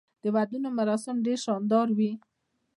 د ودونو مراسم ډیر شاندار وي.